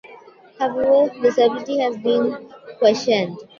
However, this ability has been questioned.